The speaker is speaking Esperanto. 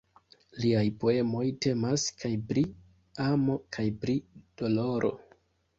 Liaj poemoj temas kaj pri amo kaj pri doloro.